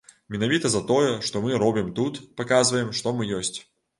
Менавіта за тое, што мы робім тут, паказваем, што мы ёсць.